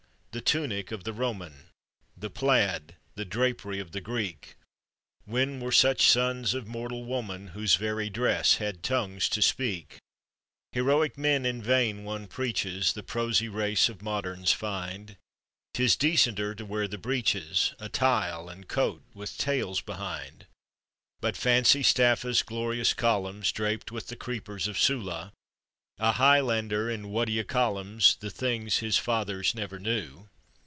the tunic of the Roman ! The plaid, the drapery of the Greek ! When were such sons of mortal woman, Whose very dress had tonguos to speak ' Heroic men in vain one preaches — The prosy race of moderns find 'Tis decenter to wear the breeches, A tile, and coat with tails behind. But fancy Staffa's glorious columns Draped with the creepers of Sulu! A Highlander in what d'ye call ems, The things his fathers never knew.